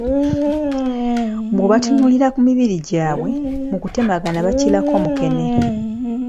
Bw‘obatunuulira ku mubiri gyabwe mukutemagana bakirako mukene.